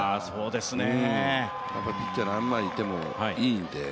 やっぱりピッチャー、何枚いてもいいんでね。